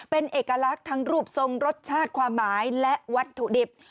เป็นเอกลักษณ์ทั้งรูปทรงรสชาติความหมายและวัตถุดิบ